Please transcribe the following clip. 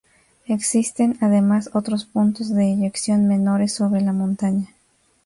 Existen además otros puntos de eyección menores sobre la montaña.